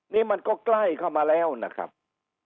นี่มันก็ใกล้เข้ามาแล้วนะครับ